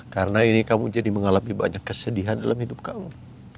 karena ini kamu jadi mengalami banyak kesedihan dalam hidup kamu